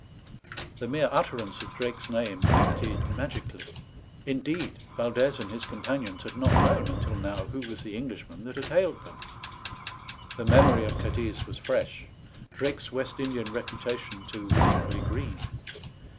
The mere utterance of Drake's name acted magically — indeed, Yaldez and his companions had not known until now who was the Englishman that had hailed them. The memory of Cadiz was fresh, Drake's West Indian reputation, too, was equally green.